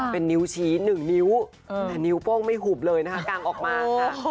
เป็นนิ้วชี้๑นิ้วแต่นิ้วโป้งไม่หุบเลยนะคะกางออกมาค่ะ